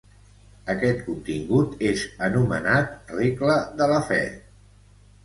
Aquest contingut és anomenat regla de la fe.